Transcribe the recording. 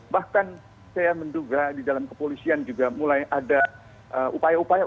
bahkan saya menduga di dalam kepolisian juga mulai ada upaya upaya